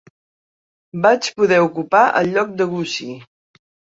Vaig poder ocupar el lloc de Gussie.